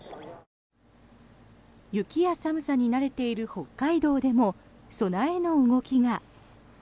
雪や寒さに慣れている北海道でも備えの動きが。